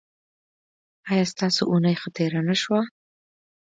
ایا ستاسو اونۍ ښه تیره نه شوه؟